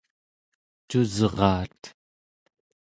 cusraat